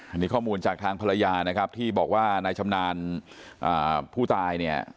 อันนี้ข้อมูลจากทางภรรยานะครับที่บอกว่านายชำนาญผู้ตายเนี่ย